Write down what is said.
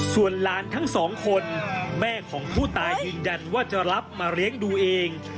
ส่วนหลานทั้งสองคนแม่ของผู้ตายยืนยันว่าจะรับมาเลี้ยงดูเอง